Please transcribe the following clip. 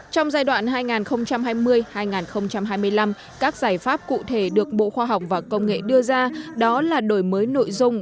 trong giai đoạn hai nghìn hai mươi hai nghìn hai mươi năm các giải pháp cụ thể được bộ khoa học và công nghệ đưa ra đó là đổi mới nội dung